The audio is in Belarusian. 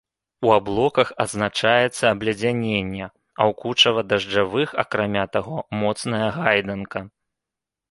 У аблоках адзначаецца абледзяненне, а ў кучава-дажджавых, акрамя таго, моцная гайданка.